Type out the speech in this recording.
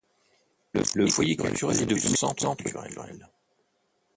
Le foyer culturel est devenu centre culturel.